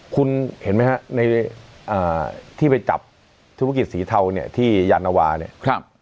คุณเห็นไหมฮะในที่ไปจับธุรกิจสีเทาเนี่ยที่ยานวาเนี่ย